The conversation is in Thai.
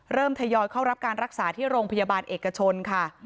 ทยอยเข้ารับการรักษาที่โรงพยาบาลเอกชนค่ะ